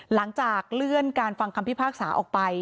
หลังจากเลื่อนการฟังคำพิพากษาออกไป